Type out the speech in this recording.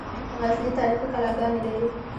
غزني تاریخي کلاګانې لري